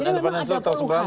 jadi memang ada puluhan